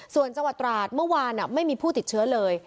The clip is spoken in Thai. ส่วนจังหวัดตราดเมื่อวานไม่มีผู้ติดเชื้อเลย